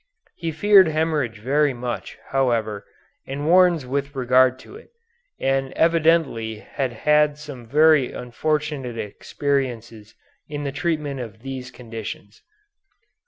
He feared hemorrhage very much, however, and warns with regard to it, and evidently had had some very unfortunate experiences in the treatment of these conditions.